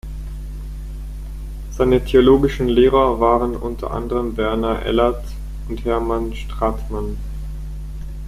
Seine theologischen Lehrer waren unter anderem Werner Elert und Hermann Strathmann.